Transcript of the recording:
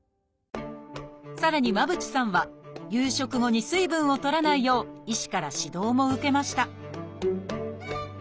さらに間渕さんは夕食後に水分をとらないよう医師から指導も受けました